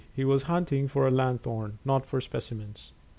He was hunting for a lanthorn, not for specimens.